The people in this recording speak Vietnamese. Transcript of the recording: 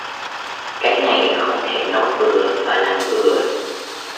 Cái này không thể nói bừa và làm bừa